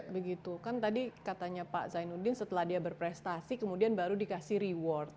begitu kan tadi katanya pak zainuddin setelah dia berprestasi kemudian baru dikasih reward